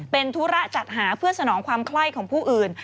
เป็นธุระจัดหาเพื่อสนองความไข้ของผู้อื่น